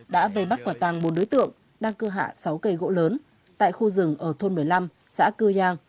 đã về bắt quả tàng bốn đối tượng đang cưa hạ sáu cây gỗ lớn tại khu rừng ở thôn một mươi năm xã cư giang